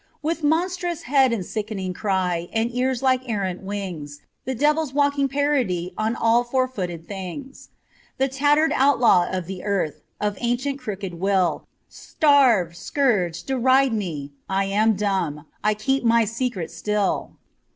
With monstrous head and sickening cry And ears like errant wings, The devil's walking parody On all four footed things. The tattered outlaw of the earth. Of ancient crooked will, Starve, scourge, deride me : I am dumb, I keep my secret still.